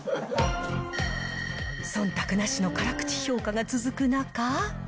そんたくなしの辛口評価が続く中。